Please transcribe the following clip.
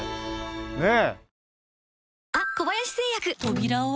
ねえ。